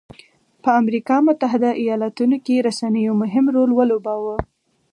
په امریکا متحده ایالتونو کې رسنیو مهم رول ولوباوه.